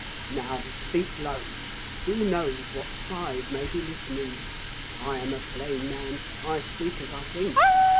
'Now, speak low, who knows what spies may be listening? I am a plain man. I speak as I think.